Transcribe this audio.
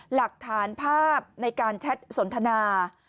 หลักฐานภาพในการแชทสนทนา